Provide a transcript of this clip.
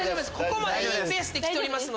ここまでいいペースで来てます。